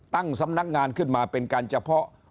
ตั้งสำนักงานขึ้นมาเป็นการเฉพาะ